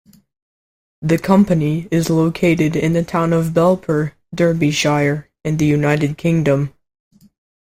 The company is located in the town of Belper, Derbyshire, in the United Kingdom.